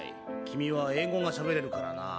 君は英語がしゃべれるからな。